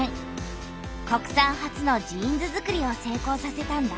国産初のジーンズづくりを成功させたんだ。